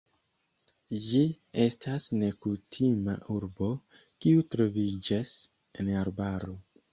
Ĝi estas nekutima urbo, kiu troviĝas en arbaro.